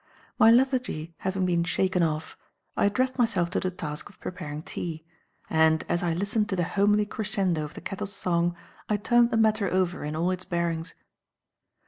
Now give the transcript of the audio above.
My lethargy having been shaken off, I addressed myself to the task of preparing tea; and, as I listened to the homely crescendo of the kettle's song, I turned the matter over in all its bearings.